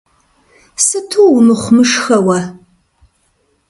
Сыту умыхъумышхэ уэ.